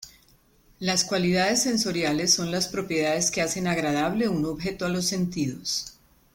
Las cualidades sensoriales son las propiedades que hacen agradable un objeto a los sentidos.